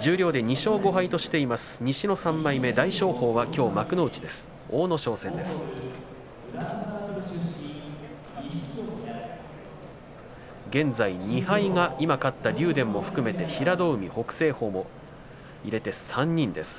十両で２勝５敗としている西の３枚目大翔鵬がきょうは幕内で相撲を取ります。